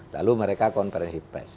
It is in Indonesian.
lalu mereka konfirmasi pes